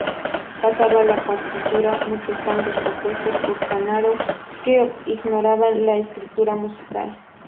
Pasaba a la partitura muchos tangos compuestos por Canaro, que ignoraba la escritura musical.